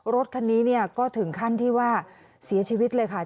รถคันนี้เนี่ยก็ถึงขั้นที่ว่าเสียชีวิตเลยค่ะ